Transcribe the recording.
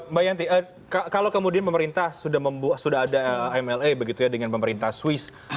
mbak yanti kalau kemudian pemerintah sudah ada mla begitu ya dengan pemerintah swiss